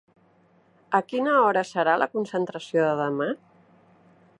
A quina hora serà la concentració de demà?